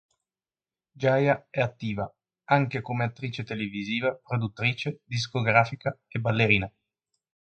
Jaya è attiva anche come attrice televisiva, produttrice discografica e ballerina.